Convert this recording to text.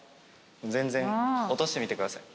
全然落としてみてください。